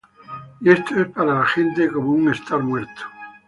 Y esto es para la gente como un estar muerto.